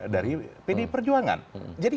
dari pdi perjuangan jadi